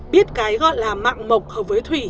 biết cái gọi là mạng mộc hợp với thủy